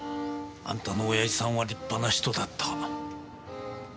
あんたの親父さんは立派な人だった。